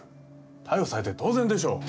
逮捕されて当然でしょう。